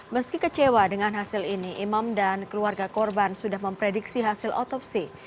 meski kecewa dengan hasil ini imam dan keluarga korban sudah memprediksi hasil otopsi